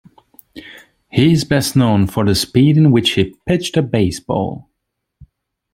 He is best known for the speed in which he pitched a baseball.